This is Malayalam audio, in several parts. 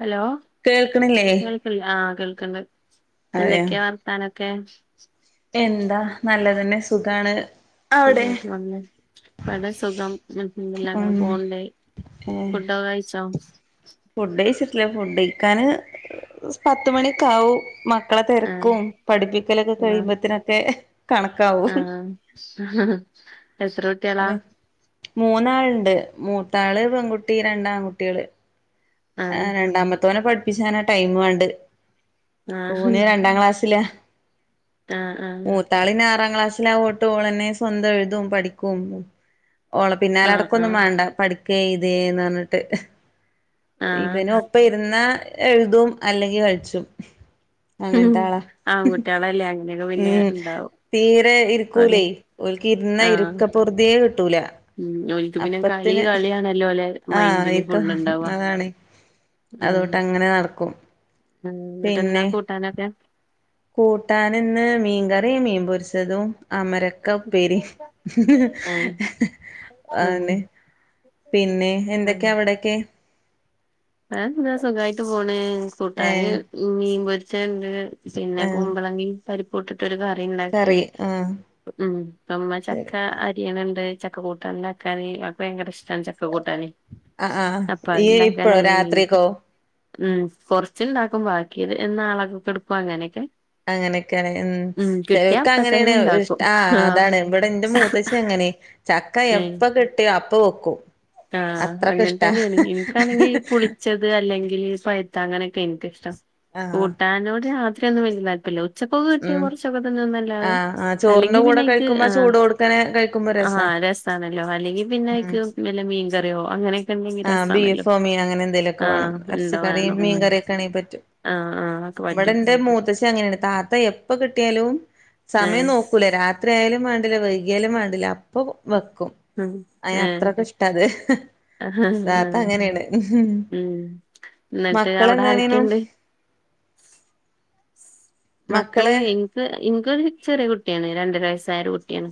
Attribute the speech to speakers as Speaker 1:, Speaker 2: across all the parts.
Speaker 1: ഹലോ
Speaker 2: കേൾക്കണില്ലേ
Speaker 1: കേൾക്ക്ല്ലെ ആഹ് കേൾക്ക്ണ്ട്
Speaker 2: അതെയ
Speaker 1: എന്തൊക്കെയാ വർത്താനൊക്കെ
Speaker 2: എന്താ നല്ലതന്നെ സുഖാണ്
Speaker 1: ഒര്
Speaker 2: അവിടെ
Speaker 1: ബോട്ട്ൽ വന്ന് ബടെ സുഖം അൽഹംദുലില്ല
Speaker 2: ഉം
Speaker 1: അങ്ങനെ പോൺണ്ട്
Speaker 2: ഏ
Speaker 1: ഫുഡെക്കെ കഴിച്ചോ
Speaker 2: ഫുഡ് കഴിച്ചിട്ടില്ല ഫുഡ് കഴിക്കാന് പത്തുമണിക്കാവും മക്കളെ തെരക്കും
Speaker 1: ആഹ്
Speaker 2: പഠിപ്പിക്കലൊക്കെ കഴിയുമ്പത്തിനൊക്കെ കണക്കാവും
Speaker 1: ആ എത്ര കുട്ട്യാളാ
Speaker 2: അതെ മൂന്നാള്ണ്ട് മൂത്താള് പെൺകുട്ടി രണ്ടാണ്കുട്ട്യാള് ആ
Speaker 1: ആഹ്
Speaker 2: രണ്ടാമത്തേനെ പഠിപ്പിച്ചാന ടൈമ് വാണ്ട്
Speaker 1: ആഹ്
Speaker 2: ഓന് രണ്ടാ ക്ലാസ്സില
Speaker 1: ആഹ് ആഹ്
Speaker 2: ത്താൾ ആറാം ക്ലാസ്സില അഓണ്ട് ഓളെന്നെ സ്വന്തം എഴുതും പഠിക്കും ഓളെ
Speaker 1: ആഹ്
Speaker 2: പിന്നാലടക്കൊന്നും
Speaker 1: ആഹ്
Speaker 2: മാണ്ട പഠിക്ക് എഴ്തെന്ന് പറഞ്ഞ്ട്ട്
Speaker 1: ആഹ്
Speaker 2: ഇവന് ഒപ്പം പ്പ ഇരുന്നാ എഴ്തും അല്ലെങ്കിൽ കൾച്ചും. അങ്ങനത്താളാ
Speaker 1: ആൺകുട്ട്യാളല്ലേ അങ്ങനെയൊക്കെ പിന്നെ
Speaker 2: ഉം
Speaker 1: ഇണ്ടാവും
Speaker 2: തീരെ
Speaker 1: ഓലെ
Speaker 2: ഇര്ക്കൂലേയ് ഓൽക്ക് ഇര്ന്ന
Speaker 1: ആഹ്
Speaker 2: ഇര്ക്ക പറുതിയേ കിട്ടൂല.
Speaker 1: ഉം ഒല്ക്ക്‌ പിന്നെ കളി
Speaker 2: അപ്പത്തിന്
Speaker 1: കളിയാണല്ലോ അല്ലെ
Speaker 2: ആഹ്
Speaker 1: മൈന്ഡില് ഫുള്ള്ണ്ടവാ.
Speaker 2: അതൊട്ട് അങ്ങനെ നടക്കും.
Speaker 1: ഉം ന്നട്ട്ന്താ കൂട്ടാനൊക്കെ?
Speaker 2: കൂട്ടാന് ന്ന് മീൻകറിം മീൻ പൊരിച്ചതും അമര ക്കപ്പേരിം
Speaker 1: ഏഹ് ഉം
Speaker 2: പിന്നെ
Speaker 1: ആഹ്
Speaker 2: എന്തൊക്കെയാ അവ്ടൊക്കെ?
Speaker 1: വേറെന്താ സുഖായിട്ട് പോണ്
Speaker 2: ഏ
Speaker 1: കൂട്ടാന് മീൻ പൊരിച്ചണ്ട്. പിന്നെ
Speaker 2: ആ
Speaker 1: കുമ്പളങ്ങി പരിപ്പുട്ട്ട്ടൊരു കറിം ഇന്നക്ക്
Speaker 2: കറി ആ
Speaker 1: ഉം ഉമ്മ ചക്ക
Speaker 2: ശരി
Speaker 1: അര്ഞ് അരിയ്ണ് ണ്ട് ചക്കക്കൂട്ടന് ണ്ടാക്കാന് അവക്ക് ഭയങ്കര ഇഷ്ട്ടാണ് ചക്ക കൂട്ടാന്.
Speaker 2: ആഹ് ആഹ് യ്യ്
Speaker 1: ആണായ്ന്നങ്കി ന്ക്ക് ഉം കൊറച്ച്ണ്ടാക്കും ബാക്കിയത് നാളൊക്കൊക്കെ എട്ക്കും അങ്ങനെക്കെ.
Speaker 2: അങ്ങനെഒക്കെ ആണ് ഉം. ചെലർക്ക്
Speaker 1: അപ്പ തന്നെ
Speaker 2: അങ്ങനെആണ് ഇഷ്ട്ട
Speaker 1: ഇണ്ടാക്കും
Speaker 2: ആഹ് അതാണ് ഇബ്ടെ ന്റെ മൂത്തച്ചി അങ്ങനെ ചക്ക
Speaker 1: ഏഹ്
Speaker 2: എപ്പ കിട്ടിയോ അപ്പ വെക്കും.
Speaker 1: ആഹ്
Speaker 2: അത്രക്ക്
Speaker 1: അങ്ങനെ
Speaker 2: ഇഷ്ടാ
Speaker 1: തന്നെണ് ഇനിക്കാണെങ്കി പുളിച്ചത് അല്ലെങ്കില് പഴ്ത്തത് അങ്ങനൊക്കെ എനിക്ക്‌ഷ്ട്ടം.
Speaker 2: ആ
Speaker 1: കൂട്ടാനോട് രാത്രിയൊന്നും വല്യ താൽപര്യല്ല ഉച്ചക്കൊക്കെ കിട്ടിയാ
Speaker 2: ഉം
Speaker 1: കൊറച്ചൊക്കെ തിന്നുംന്നല്ലാതെ
Speaker 2: ആഹ് ആഹ് ചോറിന്റെ കൂടെ
Speaker 1: അല്ലെങ്കിപിന്നെ ഇത്
Speaker 2: കഴിക്കുമ്പോ ആ
Speaker 1: ആഹ്
Speaker 2: ചൂട് കൊടുക്കനെ കഴിക്കുമ്പോ രസാ
Speaker 1: ആഹ് രെസ് ആണല്ലോ അല്ലെങ്കി പിന്നെ
Speaker 2: ഉം
Speaker 1: അയ്ക്ക്‌ മീൻകറിയോ അങ്ങനെ
Speaker 2: ആഹ് ബീഫോ മീനോ അങ്ങനെ എന്തെലുഒക്കെ വാണം
Speaker 1: ആഹ് ഇണ്ടോ
Speaker 2: എറച്ചിക്കറി
Speaker 1: വേണം
Speaker 2: മീൻ
Speaker 1: ഉം
Speaker 2: കറിയൊക്കെ ആണെ പറ്റും.
Speaker 1: ആഹ് ആഹ് ഒക്കെ പറ്റും
Speaker 2: ഇബ്ടെന്റെ മൂത്തച്ചി അങ്ങനെയാണ് താത്ത എപ്പ കിട്ടിയാലും സമയം
Speaker 1: ഏഹ്
Speaker 2: നോക്ക നോക്കൂല രാത്രിയാലും വാണ്ടില്ല വൈകിയാലും വാണ്ടില്ല അപ്പൊ വെക്കും.
Speaker 1: ഉം
Speaker 2: അയ്ന്
Speaker 1: ഏഹ്
Speaker 2: അത്രക്ക് ഇഷ്ട്ടാത്.
Speaker 1: ആഹ് ആഹ് ഉം ന്നിട്ട് അവ്ടെ
Speaker 2: മക്കളെന്താ ചെയ്യണു
Speaker 1: ആരൊക്കെണ്ട്? മക്കള് ഇൻക്ക് ഇൻക്കൊരു ചെറിയ കുട്ടിയാണ് രണ്ടര വയസ്സായ ഒര് കുട്ടിയാണ്.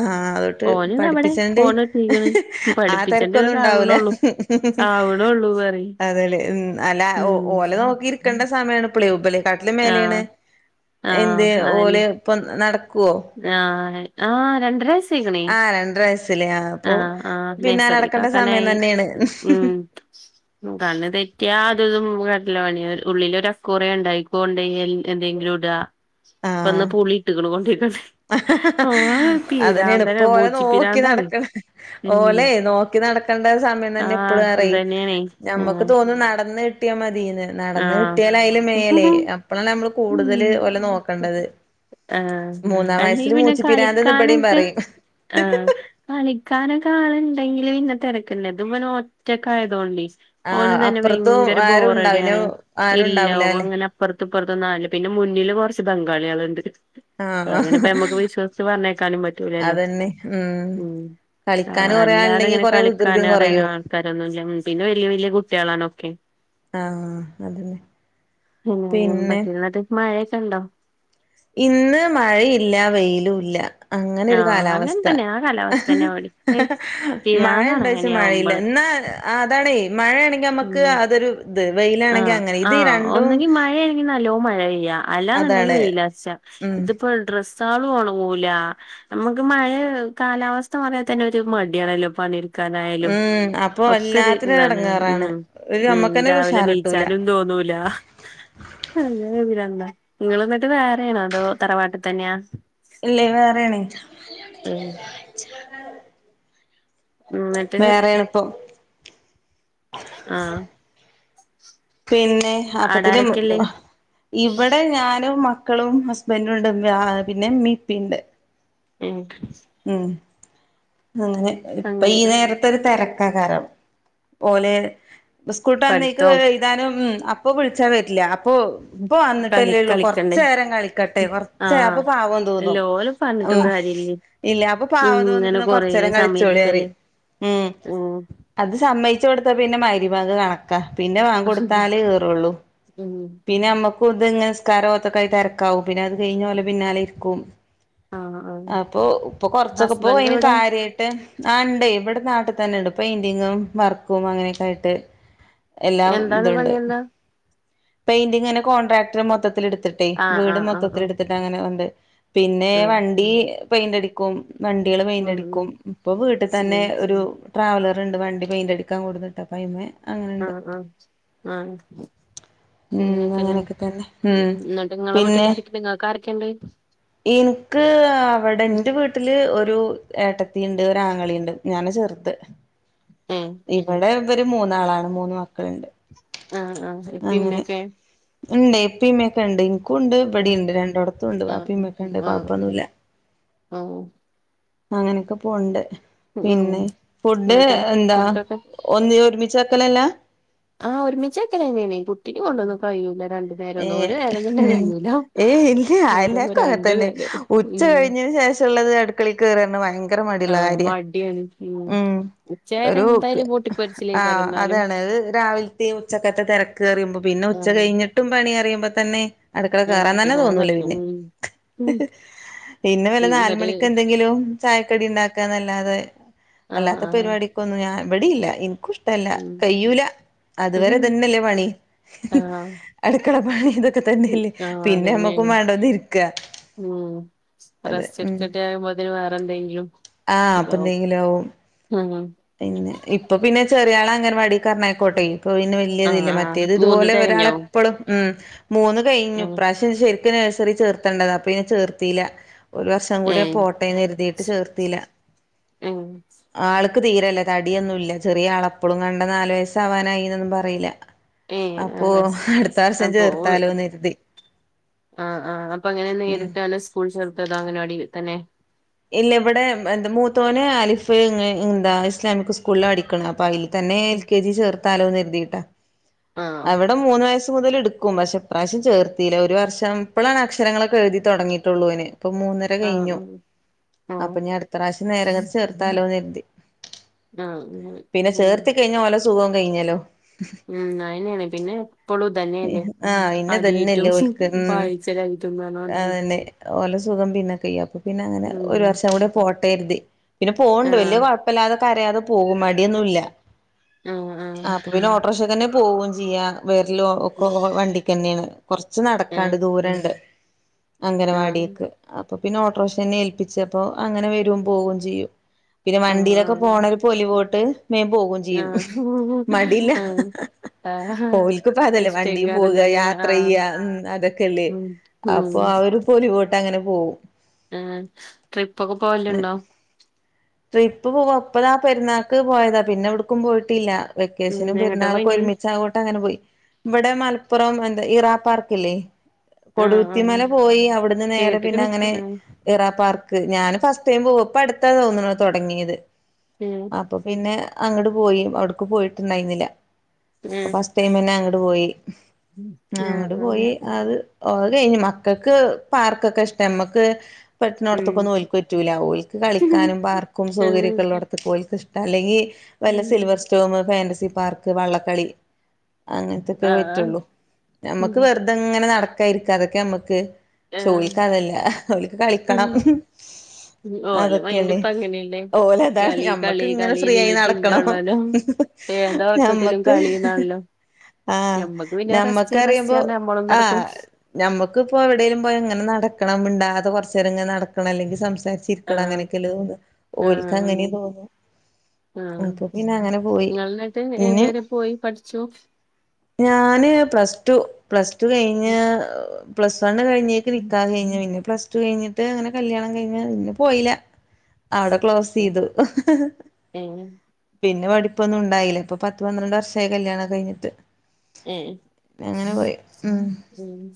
Speaker 2: ആഹ് അതൊട്ട്
Speaker 1: ഓന് ഇതാ ഇവിടെ
Speaker 2: പഠിപ്പിച്ചണ്ട്
Speaker 1: ഫോണ് കിട്ടീക്ക്ണ്
Speaker 2: ആ
Speaker 1: പഠിപ്പിച്ചേണ്ട
Speaker 2: തെരക്കൊന്നും
Speaker 1: ഇതൊക്കെ
Speaker 2: ണ്ടാവൂല.
Speaker 1: ആവണള്ളൂ
Speaker 2: ഉം ഉം ഉം
Speaker 1: ആവണള്ളൂ പറയും
Speaker 2: അതെലെ അല്ല
Speaker 1: ഉം
Speaker 2: ഓലെ നോക്കിരിക്കണ്ട സമയാണ് പ്പളെ ഉബല കാട്ടിലും മേലെണ്
Speaker 1: ആഹ്
Speaker 2: എന്ത്
Speaker 1: ആഹ് അതന്നെ
Speaker 2: ഓല് പ്പ നടക്കുവോ?
Speaker 1: ആഹ് ആ രണ്ടരവയസ്സ് ത്തിക്ക്ണെ
Speaker 2: ആഹ് രണ്ടര വയസ്സില് അപ്പൊ
Speaker 1: ആഹ് ആഹ്
Speaker 2: പിന്നാലെ നടക്കണ്ട സമയം
Speaker 1: നേഴ്സറികാക്കനായി
Speaker 2: തന്നെയാണ്
Speaker 1: ഉം. ഉം കണ്ണ് തെറ്റിയ അതതും കാട്ടാല പണി ഉള്ളില് ഒര് ആക്ക്വേറിയംണ്ട് അയ്ക്ക് കൊണ്ടോയി എന്തെങ്കിലും ഇട പ്പ ന്ന് പൂളി ഇട്ട്ക്ക്ണ് കൊണ്ടേയ്ക്കാണ്ട്.
Speaker 2: അതന്നെണ് പ്പോ ഓലെ
Speaker 1: മൂച്ചി
Speaker 2: നോക്കി
Speaker 1: പിരാന്താണ്
Speaker 2: നടക്കണം
Speaker 1: ഉം
Speaker 2: ഓലെ നോക്കി നടക്കണ്ട സമയം തന്നെ
Speaker 1: ആഹ്
Speaker 2: ഇപ്പള് റയ്
Speaker 1: ഇതന്നെയാണേ
Speaker 2: ഞമ്മക്ക്
Speaker 1: ആഹ്
Speaker 2: തോന്നും നടന്ന് കിട്ടിയ കിട്ടിയാ മതീന്ന് നടന്ന്
Speaker 1: ആഹ്
Speaker 2: കിട്ടിയാൽ അയ്ല് മേലെ അപ്പളാണ് ഞമ്മള്
Speaker 1: ഉം
Speaker 2: കൂടുതല് ഒലെ നോക്കണ്ടത്.
Speaker 1: ആഹ്
Speaker 2: മൂന്നാം
Speaker 1: അല്ലങ്കി
Speaker 2: വയസ്സില്
Speaker 1: പിന്നെ
Speaker 2: മൂച്ചിപ്പിരാന്ത്ന്ന് ഇബടേം
Speaker 1: കളിക്കാനൊക്കെ
Speaker 2: പറയും
Speaker 1: ആഹ് കളിക്കാനൊക്കെ ആള്ണ്ടെങ്കില് പിന്നെ തെരക്ക്ല്ല ഇത് ഇബന് ഒറ്റക്കായതുകൊണ്ടേ
Speaker 2: ആഹ്
Speaker 1: ഓനും തന്നെ
Speaker 2: അപ്പുറത്തും
Speaker 1: ഭയങ്കര
Speaker 2: ആരുണ്ടാ പിന്നെ
Speaker 1: ബോറടിയാണ് ഇല്ല
Speaker 2: ആരുണ്ടാവൂലാല്ലേ
Speaker 1: ഒങ്ങനെ അപ്പറത്ത് ഇപ്പറത്തും ഒന്നും ആലില്ല പിന്നെ മുന്നില് കൊറച്ച് ബംഗാളികള്ണ്ട്. അപ്പ
Speaker 2: ആഹ്
Speaker 1: അങ്ങനെപ്പ ഞമ്മക്ക് വിശ്വസിച്ച് പറഞ്ഞയ്ക്കാനും പറ്റൂലല്ലോ ഉം.
Speaker 2: കളിക്കാന്
Speaker 1: ആഹ്
Speaker 2: കൊറേ ആളുണ്ടെങ്കി
Speaker 1: അല്ലാതെങ്ങനെ
Speaker 2: കൊറേ വികൃതിയും
Speaker 1: കളിക്കാന അറിയാനോ
Speaker 2: കൊറയും
Speaker 1: ആൾക്കാരൊന്നുംല്ല പിന്നെ വല്യ വല്യ കുട്ടികളാണൊക്കെ
Speaker 2: ആഹ് അദന്നെ
Speaker 1: പിന്നെ പറ്റ് [unintelligible] മഴയൊക്കെ ഉണ്ടോ
Speaker 2: ഇന്ന് മഴയില്ല വെയിലും ഇല്ല അങ്ങനെ ഒരു
Speaker 1: ആഹ് അങ്ങനെ
Speaker 2: കാലാവസ്ഥ
Speaker 1: തന്നെ ആ കാലാവസ്ഥന്നെ ഇവടിം
Speaker 2: [unintelligible] മഴ
Speaker 1: പിരാന്താണ്
Speaker 2: ഉണ്ട വെച്ചാ മഴയില്ല
Speaker 1: അങ്ങനെയാവുമ്പള്
Speaker 2: എന്നാ ആഹ് അതാാണ് മഴയാണെങ്കിൽ നമുക്ക്
Speaker 1: ഉം
Speaker 2: അതൊരു ഇത് വെൽ
Speaker 1: ആഹ് ആഹ് ഒന്നെങ്കി മായെണെങ്കിൽ നല്ലോ മഴ പെയ്യ അല്ലാന്നുണ്ടെങ്കിൽ
Speaker 2: അതാണ്
Speaker 1: വെയിലാ
Speaker 2: ഉം
Speaker 1: ഇതിപ്പോ ഡ്ര പോണങ്ങുല നമുക്ക് മഴ കാലാവസ്ഥ പറയാ തന്നെ ഒരു മടിയണല്ലോ പി ക്കായാലും
Speaker 2: ഉം അപ്പൊ
Speaker 1: ഒക്കെ
Speaker 2: എല്ലാത്തിനും
Speaker 1: ഇതാണ്
Speaker 2: എടങ്ങേറാണ്
Speaker 1: ഉം
Speaker 2: ഒരു
Speaker 1: ഉം
Speaker 2: നമ്മക്കന്നെ ഒരു
Speaker 1: രാവിലെ
Speaker 2: ഉഷാർ കിട്ടൂല
Speaker 1: നീച്ചാലും തോന്നൂല വിവര എന്താ നിങ്ങന്നിട്ട് വേറെണോ അതോ തറവാട്ടിൽ തന്നെയാ
Speaker 2: ഇല്ലേ വേറെണ
Speaker 1: ഉം ന്നിട്ട്
Speaker 2: വേറെയാണ ഇപ്പം
Speaker 1: ആഹ്
Speaker 2: പിന്നെ അപ്പത്തിന്ന്
Speaker 1: ആടാരൊക്കെള്ളേ
Speaker 2: ഇവിടെ ഞാനും മക്കളും ഹസ്ബൻറും ഉണ്ട് പിന്നെ ഉമിപ്പിുണ്ട്
Speaker 1: [unintelligible]
Speaker 2: ഉം അങ്ങനെ ഇപ്പൊ
Speaker 1: അങ്ങനെ
Speaker 2: ഈ നേരത്തെ ഒരു തിരക്കാ കാരണം ഓല് ബസ്കൂട്ടാന്നേക്ക്
Speaker 1: പഠിത്തോം
Speaker 2: ഇതാനും ഉം അപ്പോ വിളിച്ചാ പരില്ല അപ്പൊ ഇപ്പ
Speaker 1: കളി
Speaker 2: വന്നിട്ടല്ലേള്ളൂ
Speaker 1: കളിക്കണ്ടേ
Speaker 2: കൊറച്ച് നേരം കളിക്കട്ടെ കൊറച്ച്
Speaker 1: ആഹ്
Speaker 2: അപ്പ പാവം തോന്നും
Speaker 1: എല്ലോലും പറഞ്ഞിട്ടും
Speaker 2: ഉം
Speaker 1: കാര്യല്ലേ
Speaker 2: ഇല്ല അപ്പൊ പാവം
Speaker 1: ഇങ്ങനെ
Speaker 2: തോന്നിട്ടുന്ന
Speaker 1: കൊറേ
Speaker 2: കൊറച്ച നേരം കളിച്ചുപൊളിറി
Speaker 1: സമയിരിക്കല്ലേ
Speaker 2: ഉം
Speaker 1: ഉം
Speaker 2: അത് സമ്മയിച്ചു കൊടുത്താ പിന്നെ മയിരി ഭാഗ കണക്കാ പിന്നെ മാങ്ങ കൊടുത്താൽേ കേയറുള്ളൂ
Speaker 1: ഉം
Speaker 2: പിന്നെ നമ്മുക്ക് ഇത് ഇങ്ങനെ സ്കാരോത്തക്കയി തിരക്കാവും പിന്നെ അത് കഴിഞ്ഞ പോലെ പിന്നാലെ ഇരിക്കും
Speaker 1: ആഹ് ആഹ്
Speaker 2: അപ്പൊ ഇപ്പൊ കൊറച്ചൊക്കെ ഇപ്പൊ
Speaker 1: ഹസ്ബൻഡ്
Speaker 2: അയിന്
Speaker 1: എവിടെ
Speaker 2: കാര്യമായിായിട്ട് ആഹ് ഉണ്ട് ഇവിടെ നാട്ടിൽ തന്നെ ഉണ്ട് പെയിന്റിങ്ങും വർക്കും അങ്ങനെയൊക്കെ ആയിട്ട് എല്ലാം
Speaker 1: എന്താണ്
Speaker 2: ഇതുണ്ട്
Speaker 1: പണി എന്താ
Speaker 2: പെയിന്റിങ്ങെ കോൺട്രാക്ടർ മൊത്തത്തില എടുത്തിട്ടേ
Speaker 1: ആഹ്
Speaker 2: വീട്
Speaker 1: ആഹ് ആഹ്
Speaker 2: മൊത്തിൽ
Speaker 1: ആഹ്
Speaker 2: എടുത്തിട്ട് അങ്ങനെണ്ട് പിന്നെ
Speaker 1: ഉം
Speaker 2: വണ്ടി പെയിന്റ അടിക്കും വണ്ടികള്
Speaker 1: ഉം ഉം
Speaker 2: പെയിന്റെടക്കും ഇപ്പൊ വീട്ടിൽ തന്നെ
Speaker 1: ഉം
Speaker 2: ഒരു ട്രാവലർുണ്ട് വണ്ടി പെയിന്റടുക്കാൻ കൊടുട്ടാണ്പ്പം ഇമ്മേ
Speaker 1: ആഹ് ആഹ് ആഹ്
Speaker 2: ഉം
Speaker 1: അങ്ങനെയൊക്കെല്ലേ
Speaker 2: അങ്ങനെയൊക്കെ തന്നെ ഉം
Speaker 1: ഉംഎന്നിട്ട് നിങ്ങളെ വീട്ടില ആരിക്കും നിങ്ങൾക്ക ആരൊക്കെയുണ്ട്
Speaker 2: എനിക്ക് അവിടെ എൻ്റെ വീട്ടില് ഒരു ഏട്ടത്തിണ്ട് ഒരാങ്ങളിണ്ട് ഞാന് ചെർത്ത്
Speaker 1: ഏഹ്
Speaker 2: ഇവിടെ ഇവര് മൂന്നാളാണ് മൂന്ന് മക്കളുണ്ട്
Speaker 1: ആഹ് ആഹ് പിന്നൊക്കെ
Speaker 2: ഉണ്ട് എപ്പമ്മയ ഒക്കെ ഉണ്ട് ഇനിക്കുംണ്ട് ഇവിടെ
Speaker 1: ആഹ്
Speaker 2: ഉണ്ട് രണ്ടടത്തും ഉണ്ട് അപ്പമ്മ ഒക്കെ ഉണ്ട് കൊഴപ്പൊന്നുമില്ല
Speaker 1: ഓ
Speaker 2: അങ്ങനൊക്കെ പോണ്ട്
Speaker 1: ഉം
Speaker 2: പിന്നെ ഫുഡ്
Speaker 1: എന്നിട്ട്
Speaker 2: എന്താ
Speaker 1: ഫുഡൊക്കെ
Speaker 2: ഒന്ന് ഒരുമിച്ചാക്കലല്ലേ
Speaker 1: ആഹ് ഒരുമിച്ചൊക്കെ വേ കുട്ടി കൊണ്ടൊന്നും കഴയുല്ല രണ്ടും
Speaker 2: ഏഹ് ഏയ് ഇല്ല
Speaker 1: ഇതൊക്കെ
Speaker 2: അലക്ക അങ്ങ
Speaker 1: രണ്ട്
Speaker 2: തന്നെ
Speaker 1: നേരം
Speaker 2: ഉച്ച
Speaker 1: ഉം
Speaker 2: കഴിഞ്ഞന് ശേഷം തുള്ളത് അടുക്കള കേയറ ഭയങ്കര മടുല്ല
Speaker 1: ആഹ്
Speaker 2: കാര്യ
Speaker 1: മടിയാണ്
Speaker 2: ഉം
Speaker 1: ഉച്ച വരെ
Speaker 2: ഒരു
Speaker 1: എന്തായാലും പൊട്ടിപ്പൊരിച്ചിലേക്കാരം
Speaker 2: ആഹ്
Speaker 1: എന്നാലും
Speaker 2: അതാണ്ത് രാവിലത്തെ ഉച്ചക്കത്തെ തിര അറിയുമ്പോ പിന്നെ ഉച്ച
Speaker 1: ആഹ്
Speaker 2: കഴിഞ്ഞിട്ടും പണി അറുമ്പോ തന്നെ അടുക്കള
Speaker 1: ആഹ്
Speaker 2: കേറാൻ തന്നെ
Speaker 1: പിരാന്ത്
Speaker 2: തോന്നൂലേ
Speaker 1: എടുക്കും
Speaker 2: പിന്നെ
Speaker 1: ഉം
Speaker 2: പിന്ന വില
Speaker 1: ഉം
Speaker 2: നാല
Speaker 1: എന്നിട്ട്
Speaker 2: മണിക്ക് എന്തെങ്കിലും ചായക്കടി ഉണ്ടാക്കാ എന്നല്ലാതെ
Speaker 1: ആഹ്
Speaker 2: അല്ലാത്ത
Speaker 1: ആഹ്
Speaker 2: പരിപാടക്ക ഒന്നും ഞാൻ വവിടിയില്ല എനിക്കും ഇഷ്ട ല്ല
Speaker 1: ഉം
Speaker 2: കയ്യൂല അതുവരെ
Speaker 1: ഉം
Speaker 2: തന്നെയല്ലേ പണി
Speaker 1: ആഹ്
Speaker 2: അടുക്കള പണി ഇതൊ
Speaker 1: ഉം
Speaker 2: തന്നെയല്ലേ
Speaker 1: ആഹ്
Speaker 2: പിന്നെ നമ്മക്കും
Speaker 1: അതന്നെയാണ്
Speaker 2: വേണ്ടതി ഇരിക്ക
Speaker 1: ഉം
Speaker 2: അതെ
Speaker 1: റസ്റ്റ് എടുക്കട്ടെ ആകുമ്പോ അതിന് വേറെ എന്തെങ്കിലും
Speaker 2: ആഹ അപ്പൊ
Speaker 1: ഇതാവും
Speaker 2: എന്തെങ്കിലും ആവും
Speaker 1: ഉം
Speaker 2: പിന്നെ ഇപ്പൊ പിന്നെ ചെറിയള അങ്ങനെവാടി പറഞ്ഞയക്ക്നോട്ടെ ഇപ്പൊ പിന്നെ
Speaker 1: ആഹ്
Speaker 2: വലിയതില്ല
Speaker 1: ആഹ്
Speaker 2: മറ്റേത്
Speaker 1: മൂന്ന്
Speaker 2: ഇതുപോലെ
Speaker 1: തികഞ്ഞോ
Speaker 2: ഒരാളെ എപ്പളും ഉ മൂന്ന്
Speaker 1: ഉം
Speaker 2: കഴിഞ്ഞുപ്രവിശ്യം ശരിക്കും നഴ്സറി ചേർത്തണ്ട അപ്പൊപിന്നെ ചേർത്തില്ല ഒരു വർഷ [unintelligible] കൂടെ
Speaker 1: ഏഹ്
Speaker 2: പോട്ടയന്ന് കരുതിയിട്ട് ചേർത്തില്ല
Speaker 1: ഉം
Speaker 2: ആൾക്ക് തീരല്ല തടിയൊന്നുംല്ല ചെറിയാളപ്പളും കണ്ട നാല് വയസാവാനായി എന്നൊന്നും പറയില്ല
Speaker 1: ഏഹ്
Speaker 2: അപ്പോ
Speaker 1: ആഹ്
Speaker 2: വർഷം
Speaker 1: അപ്പൊ
Speaker 2: ചേർത്താലോന്ന് കരുതി
Speaker 1: ആ ആ അപ്പൊ അങ്ങനെ നേരിട്ട ല്ല സ്കൂൾ ചേർത്തതോ അങ്ങനാവാടി തന്നെ
Speaker 2: ഇല്ല ഇവിടെ എന്താ മൂത്തോനെ അലിഫ് എന്താ ഇസ്ലാമിക് സ്കൂളിൽ പാടിക്കണ പല തന്നെ എൽ കെ ജി ചേർത്താലോന്ന് കരുതിട്ടാ
Speaker 1: ആഹ്
Speaker 2: അവിടെ ഇവിടെ മൂന്ന് വയസ്സ മുതൽ എടുക്കും പക്ഷെ ഇപ്രാവശ്യം ചേർത്തില്ല ഒരു വർഷം ഇപ്പോഴാണ് അക്ഷരങ്ങളൊക്കെ എഴുതി തുടങ്ങയിട്ടുള്ളുന് ഇപ്പ മൂന്ന
Speaker 1: ആഹ് ആഹ
Speaker 2: അപ്പൊ ഞാൻ അടുത്ത പ്രാവശ്യം നേരങ്ങട്ടെ ചേർത്താലോന്ന് കരുതി
Speaker 1: ആഹ ഉ
Speaker 2: പിന്നെ
Speaker 1: ഉം
Speaker 2: ചേർത്തി കഴിഞ്ഞ ഓലെ സുഖം കഴിഞ്ഞല്ലോ
Speaker 1: ഉം അയിനെയാണ് പിന്നെ എപ്പളും തന്നെയല്ലേ
Speaker 2: ആഹ് പിന്നെ ഇതന്നെല്ലേ
Speaker 1: അതെറ്റവും
Speaker 2: ഓൽക്ക്
Speaker 1: വായിച്ചലായിട്ടുന്ന്പറഞ്ഞണ്ട്
Speaker 2: ഓല സുഖം പിന്നെക്കെയ ചെയ്യ അപ്പൊ പിന്നെ അങ്ങനെ
Speaker 1: ഉം
Speaker 2: ഒരു വർഷം കൂടെ പോട്ട കരുതി പിന്നെ പോകണ്ട് വലിയ
Speaker 1: ആഹ്
Speaker 2: കോയ അപ്പല്ലാതെ കരയാതെ പോകും മടിന്നുല്ല്യ
Speaker 1: ആഹ് ആഹ്
Speaker 2: ആ പിന്നെ ഓട്ടോറീക്ഷ തന്നെ പോവയും ചെയ്യാ വേറെ വണ്ടിക്ക് തന്നെയാണ് കുറച്ച്
Speaker 1: ഏഹ്
Speaker 2: നടക്കാണ്ട് ദൂരുണ്ട്
Speaker 1: ആഹ്
Speaker 2: അംഗനവാടിക്ക് അപ്പൊ പിന്നെ ഓട്ടോറിക്ഷ തന്നെ പ്പിച്ചപ്പോ അങ്ങനെ വര പോവയും ചെയ്യും പിന്നെ വണ്ടിയിലൊക്കെ
Speaker 1: ആഹ്
Speaker 2: പോണ ഒരു പൊലി പോട്ട് വേഗം പോകും ചെയ്യും
Speaker 1: ആഹ്
Speaker 2: മടില്ല
Speaker 1: ആഹ് ആഹ്
Speaker 2: ഓലക്ക് പ അതല്ലേ വണ്ടിൽ പോവ
Speaker 1: ഇഷ്ടായിക്കാരല്ലല്ലേ
Speaker 2: യാത്ര
Speaker 1: ആഹ്
Speaker 2: ചെയ്യ അതോക്കെല്ലേ
Speaker 1: ഉം ഉം
Speaker 2: അപ്പൊ അ പൊലി വോട്ട് അങ്ങനെ പോകവും
Speaker 1: ആഹ് ട്രിപ്പ ഒക്കെ പോവലണ്ടോ
Speaker 2: ട്രിപ് ഇപ്പ് ഇപ്പതാ പെരുന്നാൾക്ക് പോയതാ പിന്നെ എവിടക്കും പോയിട്ടില്ല
Speaker 1: ഉം
Speaker 2: വെക്കേഷനും
Speaker 1: എങ്ങട്ടാ
Speaker 2: പെരുന്നാളൊക്കെ
Speaker 1: പോയിനി
Speaker 2: ഒരുമിച്ചങ്ങോട്ടെ അങ്ങനെ പോയി ഇവിടെ മലപ്പുറം എന്താ ഇറാ പാർക്ക്ല്ലേ
Speaker 1: ആഹ് ആഹ്
Speaker 2: കൊടുത്തിമല പോയി അവിടുന്ന് നേരെ പിന്നെ
Speaker 1: കേട്ട്ക്ക്ണ്
Speaker 2: അങ്ങനെ
Speaker 1: ഉം
Speaker 2: ഇറാ പാർക്ക് ഞാാന ഫസ്റ്റ് ടൈം പോവ ഇപ്പ അടുത്താ തോണ് തുടങ്ങിയത്
Speaker 1: ഉം
Speaker 2: അപ്പൊ പിന്നെ അങ്ങട്ട് പോയി അവ്ടുക്ക് പോയിട്ടുണ്ടായിരുന്നില്ല
Speaker 1: ഉം
Speaker 2: ടൈമിന അങ്ങട്ട് പോയി അങ്ങോട്ട് പോയി അത് കഴിഞ് മക്കൾക്ക് പാർക്കൊക്കെ ഇഷ്ടം നമ്മക്ക് പെട്ടണോടത്തൊക്കൊന്നും ഓലക്ക് പറ്റില്ല അവർക്കക്ക് കളിക്കാനും പാർക്കും
Speaker 1: ആഹ് ആഹ് ഉം ആഹ് ഉം ആഹ്
Speaker 2: സൗകര്യൊക്ക് ഇഷ്ട അല്ലെങ്കിൽ വല്ല സിൽവ ചോ ഫാറസി പാർക്ക് വള്ളക്കളി അങ്ങനത്തൊക്കെ പറ്റുള്ളൂ
Speaker 1: ഉം
Speaker 2: നമ്മുക്ക് വെറുതെ തങ്ങനെ നടക്കായിരിക്ക അതൊക്കെ നമുക്ക് ഓല്ക്ക്
Speaker 1: ആഹ്
Speaker 2: അതല്ല ഒലക്ക് കളിക്കണം
Speaker 1: ഉ ഓല മയിന്റ് ഇപ്പ അങ്ങനെയല്ലേ
Speaker 2: ഓല് അതാണ്
Speaker 1: കളി
Speaker 2: ഞമ്മക്ക്
Speaker 1: കളി
Speaker 2: ഇങ്ങനെ ഫ്രീ
Speaker 1: കളിന്നില്ല
Speaker 2: ആയി
Speaker 1: ചിന്ത
Speaker 2: നടക്കണം
Speaker 1: ഉള്ളോലോ ഏത് ഒറക്കത്തിലും
Speaker 2: ഞമ്മക്ക്
Speaker 1: കളിന്നാണല്ലോ
Speaker 2: ആഹ്
Speaker 1: ഞമ്മക്ക് പിന്നെ റസ്റ്റ് റസ്റ്റ്
Speaker 2: ഞമ്മക്കറിയുമ്പോ
Speaker 1: പറഞ്ഞ് നമ്മളും നടക്കും
Speaker 2: ആഹ് നമ്മക്കിപ്പോ എവിടെേലും പോയ ഇങ്ങനെ നടക്കണം മിണ്ടാതെ കൊറച്ചരേം നടക്കണം അല്ലങ്കിൽ സംസാരിച് ഇരിക്കണേ
Speaker 1: ആഹ്
Speaker 2: അങ്ങനൊക്കെല്ല തോന്ന ഓൽക്ക് അങ്ങനെ തോന്നൂ
Speaker 1: ആഹ ഇങ്ങളിന്നിട്ട്
Speaker 2: പിന്നെ
Speaker 1: ഏതുവരെ പോയി പഠിച്ചു
Speaker 2: ഞാന് പ്ലസ് ടു പ്ലസ് ടു കയിഞ്ഞ് പ്ലസ് വണ് കയിഞ്ഞ് നിക്കാഹ് കയിഞ്ഞ് പിന്നെ പ്ലസ് ടു കയിഞ്ഞിട്ട് അങ്ങന കല്യാണം കഴിഞ് പിന്നെ പോയില്ല അവടെ ക്ലോസെയ്തു
Speaker 1: ഏഹ്
Speaker 2: പിന്ന പഠിപ്പൊന്നുണ്ടായില്ല ഇപ്പ പത്ത് പന്ത്രണ്ട് വർഷായി കല്യാണൊക്കെ കയിഞ്ഞിട്ട്
Speaker 1: ഏ ഉം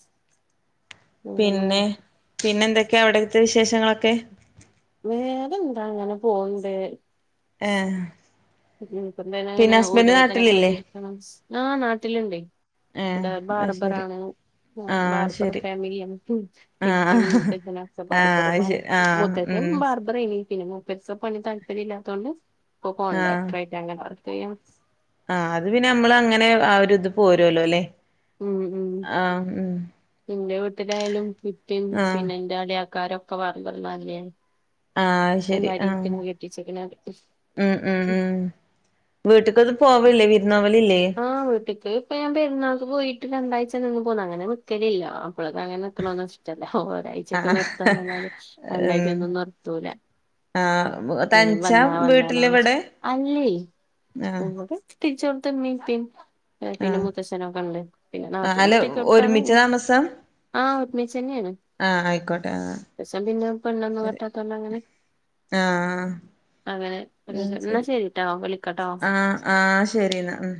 Speaker 1: അങ്ങനെ ല്ലെ
Speaker 2: പിന്നെന്തൊക്കെയാ അവിടത്തെ വിശേഷങ്ങളൊക്കെ
Speaker 1: വേറെ എന്താ ഇങ്ങനെ പോണ്ട്
Speaker 2: ഏഹ്
Speaker 1: ഇപ്പൊ തന്നെ ഇങ്ങനെ
Speaker 2: പിന്നെ
Speaker 1: ഊര
Speaker 2: ഹസ്ബൻഡ്
Speaker 1: വേദന ഒക്കെ ആയിട്ട്
Speaker 2: നാട്ടിലില്ലേ
Speaker 1: ഇരിക്കണ് ആ നാട്ടിലിണ്ടേ
Speaker 2: ഏഹ്
Speaker 1: അവര്
Speaker 2: അത് ശരി
Speaker 1: ബാർബറാണ് ആ
Speaker 2: ആഹ്
Speaker 1: ബാർബർ
Speaker 2: ശരി
Speaker 1: ഫാമിലിയാണ്
Speaker 2: ആഹ്
Speaker 1: ഇപ്പേം മൂത്തച്ഛനും ഒക്കെ
Speaker 2: ആഹ് അത്
Speaker 1: ബാർബർമാരാ
Speaker 2: ശരി ആഹ്
Speaker 1: മൂത്തച്ഛൻ
Speaker 2: ഉം
Speaker 1: ബാർ ബറേനി പിന്നെ മുപ്പരിസ പണി താല്പര്യ ഇല്ലാത്തോണ്ട് ഇപ്പൊ കോൺട്രാക്ടർ ആയിട്ട് അങ്ങനെ വർക്കെയ്യ
Speaker 2: ആ അത് പിന്നെ നമ്മൾ അങ്ങനെ ആ ഒരു ഇത് പോരൊലോലേ
Speaker 1: ഉം ഉം ഇന്റെ വീട്ടിലായാലും ഉപ്പേം
Speaker 2: ആഹ്
Speaker 1: പിന്നെ ഇന്റെ അളിയാക്കാരും ഒക്കെ ബാർബർമാര് ലേ
Speaker 2: ആ ശരി ആ
Speaker 1: കെട്ടിച്ച്ക്ക്ണത്
Speaker 2: ഉം ഉം ഉം വീട്ട്ക്ക് ഒന്നും പോവല്ലേ വിരുന്ന് പോവലില്ലേ
Speaker 1: ആ വീട്ട്ക്ക് ഇപ്പൊ ഞാൻ പെരുന്നാൾക്ക് പോയിട്ട് രണ്ടായ്ച നിന്ന് പോന്ന് അങ്ങനെ നിക്കലില്ല മാപ്പളക്ക് അങ്ങനെ നിക്കണന്നും ഇഷ് ഒരായ്ചൊക്കെ
Speaker 2: ആഹ്
Speaker 1: നിർത്താന്നല്ലാതെ
Speaker 2: ഉം
Speaker 1: രണ്ടായ്ച്ച ഒന്നും നിർത്തൂല
Speaker 2: ആഹ്
Speaker 1: വരും
Speaker 2: തനിച്ചാ
Speaker 1: വന്നാ
Speaker 2: വീട്ടില്
Speaker 1: വന്ന്
Speaker 2: ഇവിടെ
Speaker 1: അല്ലേ
Speaker 2: ആഹ്
Speaker 1: കെട്ടിചോട്ത്ത് ഉമ്മേം ഉപ്പേം പിന്നെ
Speaker 2: ആഹ്
Speaker 1: മുത്തച്ഛനൊക്കണ്ട് പിന്നെ
Speaker 2: ആഹ്
Speaker 1: നാത്തൂൻ
Speaker 2: അല്ല
Speaker 1: കെട്ടിച്ചോട്ത്താണ്
Speaker 2: ഒരുമിച്ച താമസം
Speaker 1: ആ ഒരുമിച്ചന്നേണ്
Speaker 2: ആഹ് ആയിക്കോട്ടെ ആഹ്
Speaker 1: മൂത്തച്ഛൻ പിന്നെ പെണ്ണൊന്നും കെട്ടാത്തോണ്ട് അങ്ങനെ
Speaker 2: ആഹ്
Speaker 1: അങ്ങനെ ഇന്നാ ശെരീട്ടോ വിളിക്കാട്ടോ
Speaker 2: ആ ശരിന്നാ ഉം